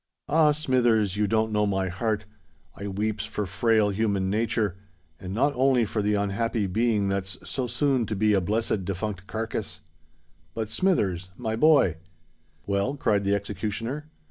"Ah! Smithers, you don't know my heart: I weeps for frail human natur', and not only for the unhappy being that's so soon to be a blessed defunct carkiss. But, Smithers—my boy——" "Well?" cried the executioner.